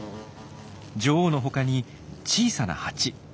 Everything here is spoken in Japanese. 女王のほかに小さなハチ。